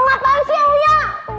ngapain sih ya uya